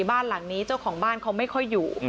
บ้านหลังนี้เจ้าของบ้านเขาไม่ค่อยอยู่